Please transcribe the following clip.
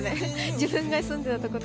自分が住んでたとこ。